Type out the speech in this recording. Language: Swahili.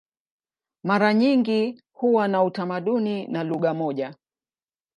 Mara nyingi huwa na utamaduni na lugha moja.